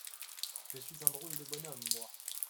Je suis un drôle de bonhomme, moi !…